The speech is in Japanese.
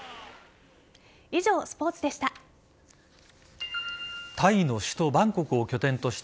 以上、スポーツでした。